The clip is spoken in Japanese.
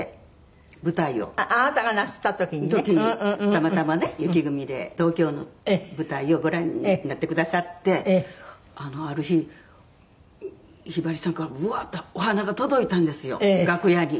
たまたまね雪組で東京の舞台をご覧になってくださってある日ひばりさんからワーッとお花が届いたんですよ楽屋に。